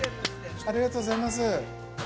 ありがとうございます。